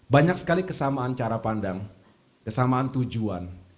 banyak sekali kesamaan cara pandang kesamaan tujuan